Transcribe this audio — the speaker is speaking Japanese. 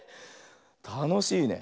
たのしいね。